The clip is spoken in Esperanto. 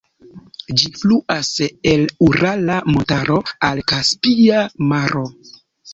Ĝi fluas el Urala montaro al Kaspia maro.